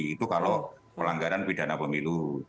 itu kalau pelanggaran pidana pemilu